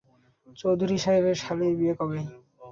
চৌধুরী সাহেবের শালীর বিয়ে কবে?